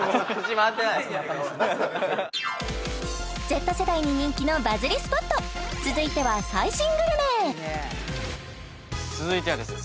Ｚ世代に人気のバズりスポット続いては最新グルメ続いてはですね